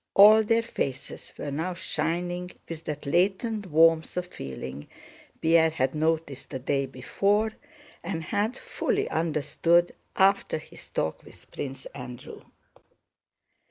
All their faces were now shining with that latent warmth of feeling Pierre had noticed the day before and had fully understood after his talk with Prince Andrew.